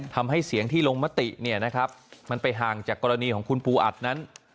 ทำให้เสียงที่ลงมะติมันไปห่างจากกรณีของคุณปูอัดนั้น